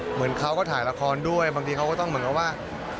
เหมือนเขาก็ถ่ายละครด้วยบางทีเขาก็ต้องเหมือนกับว่า